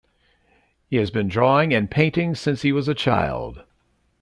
He has been drawing and painting since he was a child.